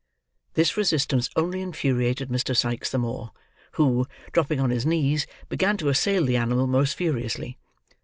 This resistance only infuriated Mr. Sikes the more; who, dropping on his knees, began to assail the animal most furiously.